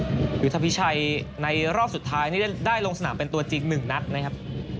ยุทธพิชัยในรอบสุดท้ายนี่ได้ลงสนามเป็นตัวจริง๑นัดนะครับ